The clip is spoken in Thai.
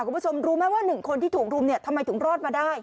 คุณผู้ชมรู้ไหมว่าหนึ่งคนที่ถูกรุมเนี่ยทำไมถึงรอดมาได้